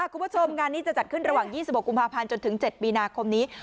คุณผู้ชมงานนี้จะจัดขึ้นระหว่าง๒๖กุมภาพันธ์จนถึง๗มีนาคมนี้